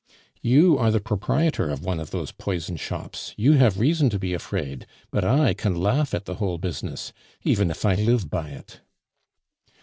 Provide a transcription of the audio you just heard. "You are the proprietor of one of those poison shops; you have reason to be afraid; but I can laugh at the whole business, even if I live by it."